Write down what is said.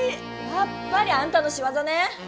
やっぱりあんたのしわざね！